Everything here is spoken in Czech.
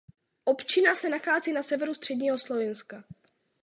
Občina se nachází na severu středního Slovinska.